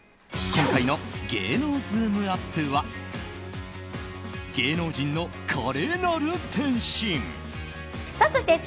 今回の芸能ズームＵＰ！は芸能人の華麗なる転身！